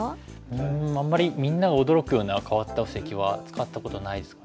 うんあんまりみんなが驚くような変わった布石は使ったことないですかね。